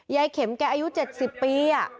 ยายเข็มแก่อายุ๗๐ปีอะ